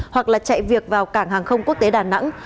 hoặc là chạy việc vào cảng hàng không quốc tế đà nẵng